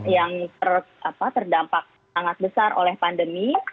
yang terdampak sangat besar oleh pandemi